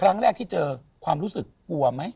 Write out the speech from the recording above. ครั้งแรกที่เจอความรู้สึกกลัวไหม